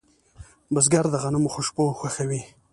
بزګر د غنمو خوشبو خوښوي